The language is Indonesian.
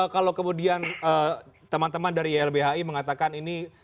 kalau kemudian teman teman dari ylbhi mengatakan ini